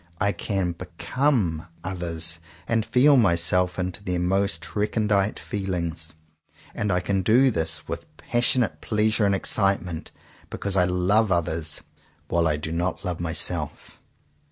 I can become others and feel myself into their most recondite feelings; and I can do this with passionate pleasure and excitement, because I love others, while I do not love myself.